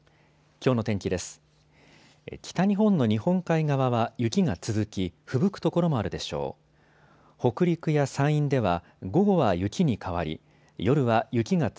きょうの天気です。